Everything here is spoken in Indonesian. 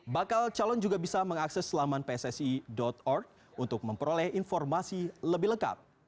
bakal calon juga bisa mengakses laman pssi org untuk memperoleh informasi lebih lengkap